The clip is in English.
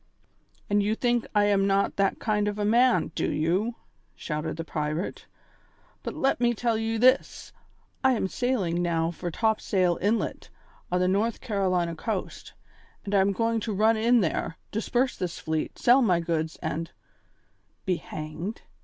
"And you think I am not that kind of a man, do you?" shouted the pirate. "But let me tell you this. I am sailing now for Topsail Inlet, on the North Carolina coast, and I am going to run in there, disperse this fleet, sell my goods, and " "Be hanged?"